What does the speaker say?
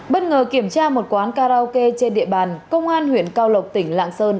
bất ngờ kiểm tra một quán karaoke trên địa bàn công an huyện cao lộc tỉnh lạng sơn